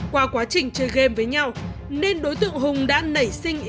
qua quá trình chơi game với nhau nên đối tượng hùng đã nảy sinh ý